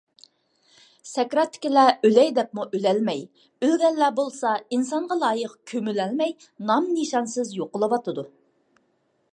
سەكراتتىكىلەر ئۆلەي دەپمۇ ئۆلەلمەي، ئۆلگەنلەر بولسا، ئىنسانغا لايىق كۆمۈلەلمەي نام - نىشانسىز يوقىتىلىۋاتىدۇ.